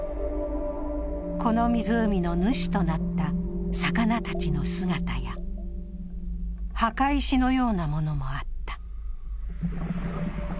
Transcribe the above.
この湖の主となった魚たちの姿や墓石のようなものもあった。